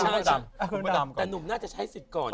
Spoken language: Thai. เนิ่นเนื่องประสาทจะใช้สิทธิ์ก่อน